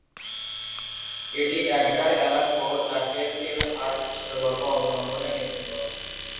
এটি Edgar Allan পোর "the tell tale heart" ছোটগল্প অবলম্বনে নির্মিত।